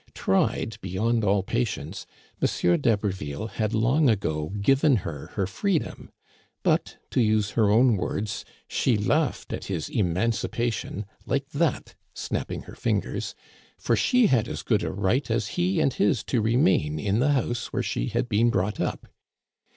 Tried beyond all patience, M. d'Haberville had long ago given her her freedom ; but, to use her own words^ " she laughed at his emancipation like that," snapping her fingers, " for she had as good a right as he and his to remain in the house where she had been brought up."